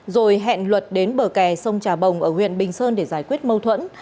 rồi hẹn luật đến bờ kè sông trà bồng ở huyện bình sơn để giải quyết mâu thuẫn